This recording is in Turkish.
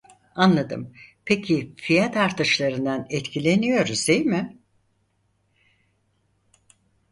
Anladım peki fiyat artışlarından etkileniyoruz değil mi